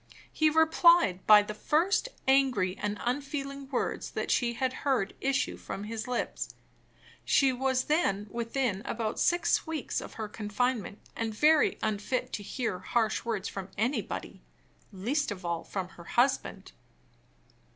He replied by the first angry and unfeeling words that she had heard issue from his lips. She was then within about six weeks of her confinement, and very unfit to bear harsh answers from anybody least of all from her husband.